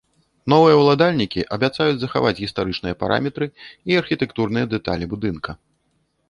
Новыя ўладальнікі абяцаюць захаваць гістарычныя параметры і архітэктурныя дэталі будынка.